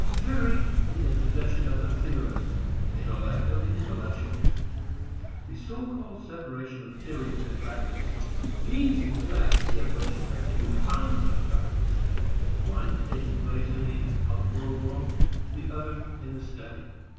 Theory is a possession of the theorist, intellect of the intellectualist. The so called separation of theory and practice means in fact the separation of two kinds of practice, one taking place in the outdoor world, the other in the study.